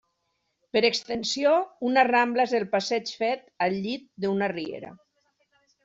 Per extensió, una rambla és el passeig fet al llit d’una riera.